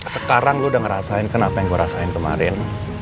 sekarang lo udah ngerasain kenapa yang gue rasain kemarin